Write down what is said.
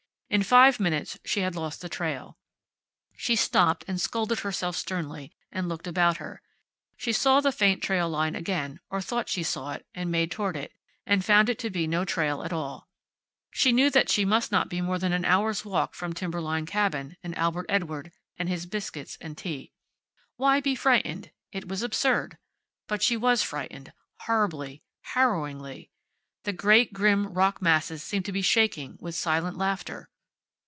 In five minutes she had lost the trail. She stopped, and scolded herself sternly, and looked about her. She saw the faint trail line again, or thought she saw it, and made toward it, and found it to be no trail at all. She knew that she must be not more than an hour's walk from Timberline Cabin, and Albert Edward, and his biscuits and tea. Why be frightened? It was absurd. But she was frightened, horribly, harrowingly. The great, grim rock masses seemed to be shaking with silent laughter.